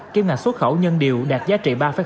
kim ngạch xuất khẩu nhân điều đạt giá trị